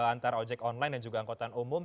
antara ojek online dan juga angkutan umum